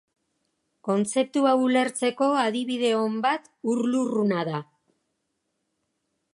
Kontzeptu hau ulertzeko adibide on bat ur-lurruna da.